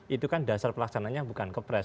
itu kan dasar pelaksananya bukan kepres